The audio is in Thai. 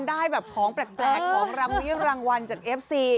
ได้แบบของแปลกของรำวิรางวัลจากเอฟซี